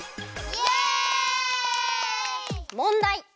もんだい。